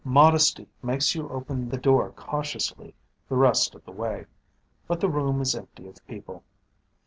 Modesty makes you open the door cautiously the rest of the way. But the room is empty of people.